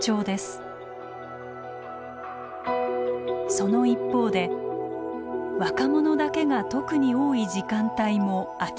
その一方で若者だけが特に多い時間帯も明らかに。